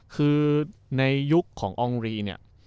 คือในยุคของอองรีเนี่ย